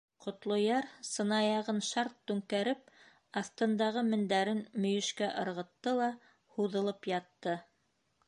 Ҡотлояр, сынаяғын шарт түңкәреп, аҫтындағы мендәрен мөйөшкә ырғытты ла һуҙылып ятты.